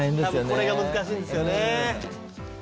これが難しいんですよね。